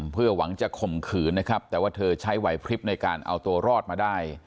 เพื่อหวังจะข่มขืนนะครับแต่ว่าเธอใช้ไหวพลิบในการเอาตัวรอดมาได้